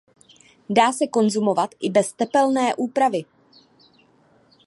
Dá se konzumovat i bez tepelné úpravy.